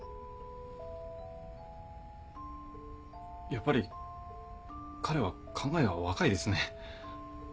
やっぱり彼は考えが若いですね。